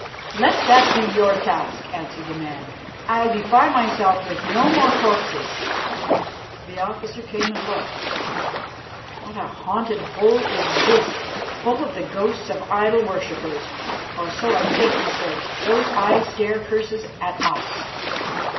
"'Let that be your task,' answered the man. 'I'll defile myself with no more corpses.' "The officer came and looked. 'What a haunted hole is this, full of the ghosts of idol worshippers, or so I think,' he said. 'Those eyes stare curses at us.